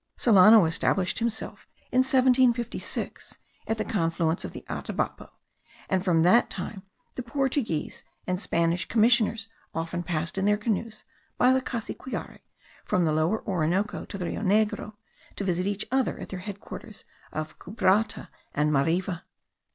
Solano established himself in 1756 at the confluence of the Atabapo; and from that time the Spanish and Portuguese commissioners often passed in their canoes, by the Cassiquiare, from the Lower Orinoco to the Rio Negro, to visit each other at their head quarters of Cabruta* and Mariva.